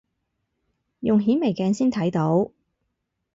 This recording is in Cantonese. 用顯微鏡先睇到